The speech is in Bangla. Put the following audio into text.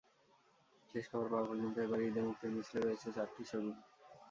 শেষ খবর পাওয়া পর্যন্ত এবারের ঈদে মুক্তির মিছিলে রয়েছে চারটি ছবি।